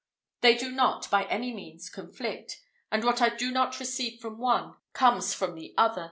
They do not, by any means, conflict; and what I do not receive from one, comes from the other.